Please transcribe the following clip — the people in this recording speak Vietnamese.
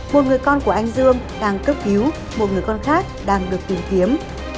một người con của anh dương đang cấp cứu một người con khác đang được tìm kiếm